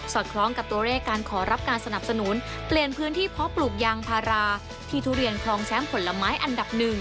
คล้องกับตัวเลขการขอรับการสนับสนุนเปลี่ยนพื้นที่เพาะปลูกยางพาราที่ทุเรียนครองแชมป์ผลไม้อันดับ๑